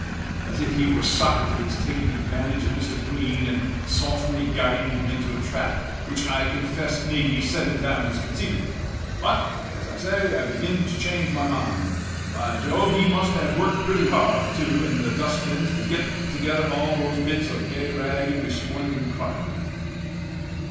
as if he were Socrates taking advantage of Mr. Green and softly guiding him into a trap, which I confess made me set him down as conceited; but, as I say, I begin to change my mind. By Jove! he must have worked pretty hard too in the dust bins to get together all those bits of gay rag and resplendent crockery!"